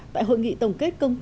tại hội nghị tổng kết công ty